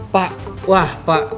pak wah pak